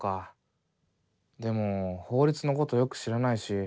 でも法律のことよく知らないし。